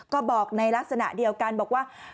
ก็บอกในลักษณะเดียวกันบอกว่า